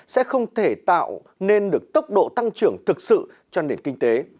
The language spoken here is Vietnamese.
sẽ không thể tạo nên được tốc độ tăng trưởng thực sự cho nền kinh tế